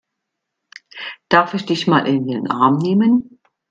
Darf ich dich mal in den Arm nehmen?